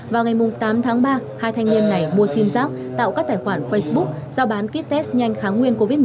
vào ngày tám tháng ba hai thanh niên này mua sim giác tạo các tài khoản facebook giao bán ký test nhanh kháng nguyên covid một mươi chín